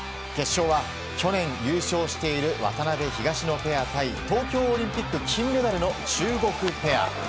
決勝は去年優勝している渡辺、東野ペア対東京オリンピック金メダルの中国ペア。